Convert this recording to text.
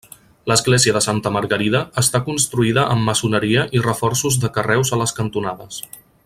L'església de Santa Margarida està construïda amb maçoneria i reforços de carreus a les cantonades.